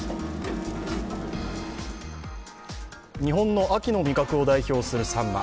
日本の秋の味覚を代表するさんま。